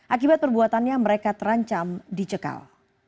akibat perbuatannya mereka terancam dicekal